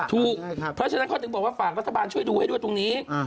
ถูกเพราะฉะนั้นเขาถึงบอกว่าฝากรัฐบาลช่วยดูให้ด้วยตรงนี้